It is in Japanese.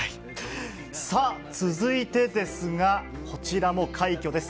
さあ、続いてですが、こちらも快挙です。